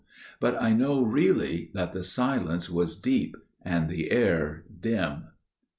But I know really that the silence was deep and the air dim."